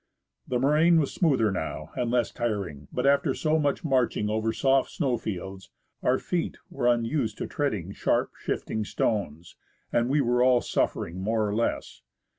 The moraine was smoother now and less tiring ; but after so much marching over soft snow fields, our feet were unused to tread ing sharp, shifting stones, and we were all suffering more or less.